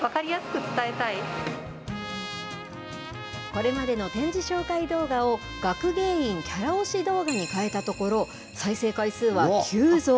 これまでの展示紹介動画を学芸員キャラ推し動画に変えたところ、再生回数は急増。